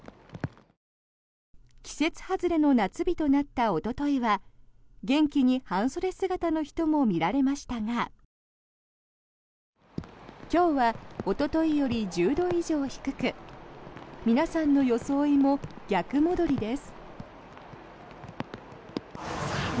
季節外れの夏日となったおとといは元気に半袖姿の人も見られましたが今日はおとといより１０度以上低く皆さんの装いも逆戻りです。